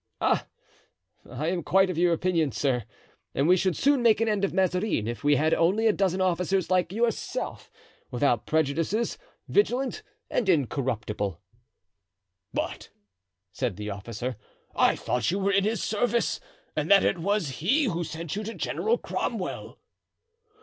"Ah! I am quite of your opinion, sir, and we should soon make an end of Mazarin if we had only a dozen officers like yourself, without prejudices, vigilant and incorruptible." "But," said the officer, "I thought you were in his service and that it was he who sent you to General Cromwell."